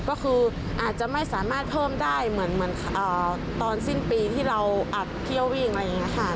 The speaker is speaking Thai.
ก็คืออาจจะไม่สามารถเพิ่มได้เหมือนตอนสิ้นปีที่เราอัดเที่ยววิ่งอะไรอย่างนี้ค่ะ